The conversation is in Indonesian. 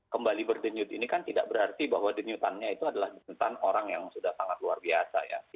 kembali berdenyut ini kan tidak berarti bahwa denyutannya itu adalah denyutan orang yang sudah sangat luar biasa ya